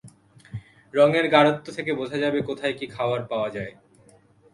রঙের গাঢ়ত্ব থেকে বোঝা যাবে কোথায় কি খাবার পাওয়া যায়।